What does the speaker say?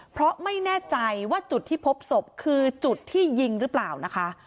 เพราะไม่แน่ใจว่าจุดที่พบศพคือจุดที่ยิงหรือเปล่านะคะ